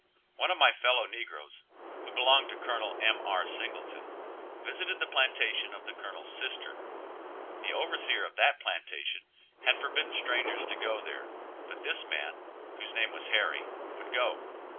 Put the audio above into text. One of my fellow negroes, who belonged to Col. M.R. Singleton, visited the plantation of the Col.'s sister; the overseer of that plantation had forbidden strangers to go there, but this man, whose name was Harry, would go.